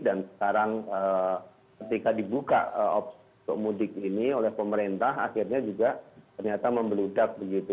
dan sekarang ketika dibuka mudik ini oleh pemerintah akhirnya juga ternyata membeludak begitu